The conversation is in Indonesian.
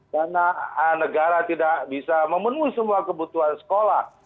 karena negara tidak bisa memenuhi semua kebutuhan sekolah